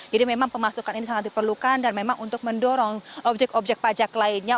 jadi memang pemasukan ini sangat diperlukan dan memang untuk mendorong objek objek pajak lainnya